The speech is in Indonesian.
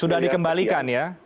sudah dikembalikan ya